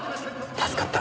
助かった。